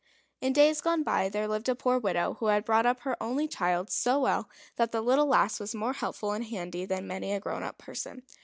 In days gone by there lived a poor widow who had brought up her only child so well that the little lass was more helpful and handy than many a grown up person.